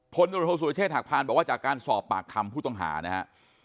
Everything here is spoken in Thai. พลตรวจโทษสุรเชษฐหักพานบอกว่าจากการสอบปากคำผู้ต้องหานะฮะ